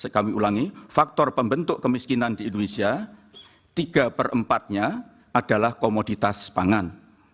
kami ulangi faktor pembentuk kemiskinan di indonesia tiga per empatnya adalah komoditas pangan